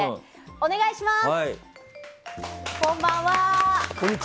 お願いいたします。